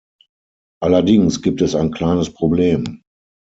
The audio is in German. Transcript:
Allerdings gibt es ein kleines Problem.